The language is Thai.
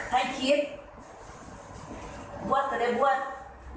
ให้คิดบวชก็ได้บวช